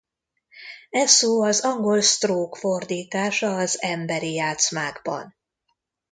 E szó az angol ’stroke’ fordítása az Emberi játszmákban.